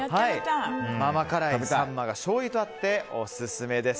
甘辛いサンマがしょうゆと合ってオススメです。